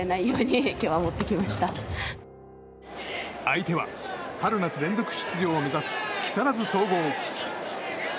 相手は、春夏連続出場を目指す木更津総合。